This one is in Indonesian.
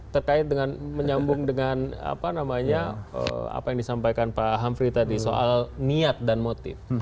terkait dengan menyambung dengan apa namanya apa yang disampaikan pak hamfri tadi soal niat dan motif